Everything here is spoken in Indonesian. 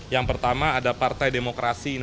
yang pertama ada partai